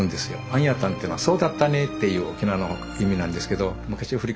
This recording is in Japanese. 「あんやたん」っていうのはそうだったねという沖縄の意味なんですけど。